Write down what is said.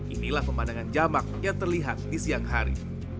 inilah pemandangan jamak yang terlihat di siang hari